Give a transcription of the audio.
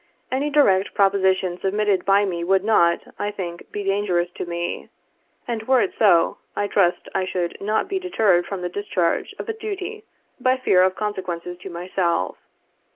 Any direct proposi tion submitted by me would not, I think, be dangerous to me. And were it so, I trust I should not be deterred from the discharge of a duty by fear of consequences to myself.